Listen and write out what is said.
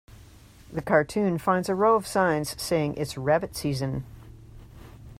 The cartoon finds a row of signs saying it's rabbit season.